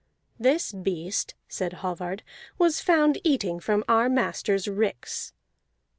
"This beast," said Hallvard, "was found eating from our masters ricks."